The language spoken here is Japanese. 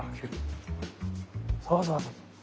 そうそうそう。